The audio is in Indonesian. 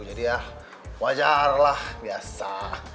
jadi ya wajarlah biasa